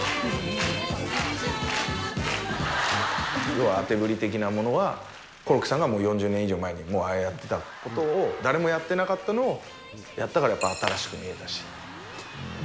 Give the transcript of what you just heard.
要は当て振り的なものは、コロッケさんがもう４０年以上前にやってたことを、誰もやってなかったのを、やったからやっぱり新しく見えたし。